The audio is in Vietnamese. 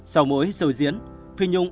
sau mỗi sâu diễn phi nhung